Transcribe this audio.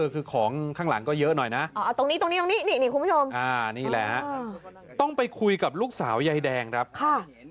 คุณผู้ชมต้องไปคุยกับลูกสาวสมศาตรา